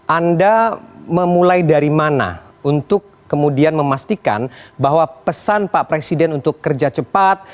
anda memulai dari mana untuk kemudian memastikan bahwa pesan pak presiden untuk kerja cepat